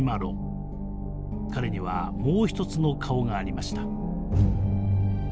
彼にはもう一つの顔がありました。